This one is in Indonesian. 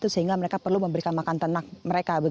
sehingga mereka perlu memberikan makan ternak mereka